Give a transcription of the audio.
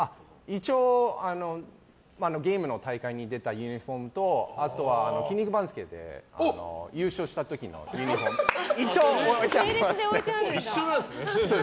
一応、ゲームの大会に出たユニホームとあとは、「筋肉番付」で優勝した時のユニホーム。一緒なんですね。